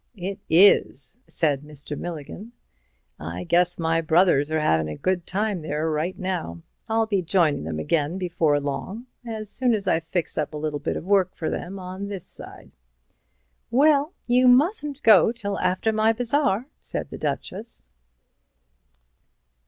"It is," said Mr. Milligan. "I guess my brothers are having a good time there now. I'll be joining them again before long, as soon as I've fixed up a little bit of work for them on this side." "Well, you mustn't go till after my bazaar," said the Duchess.